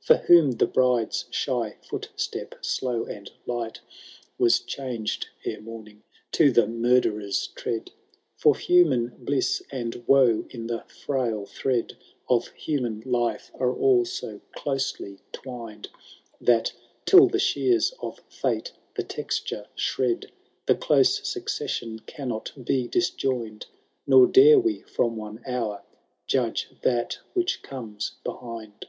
For whom the brideVi shj footstep, slow and light, Was changed ere morning to the murderer's tread. For human bliss and woe in the fisil thread Of human life are all so closely twined, That till the shears of Fate the texture shred. The dose succession cannot be disjoined, Kor dare we, from one hour, judge that which comes behind.